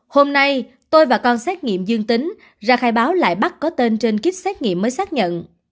hôm nay tôi và con xét nghiệm dương tính ra khai báo lại bắt có tên trên kit xét nghiệm mới xác nhận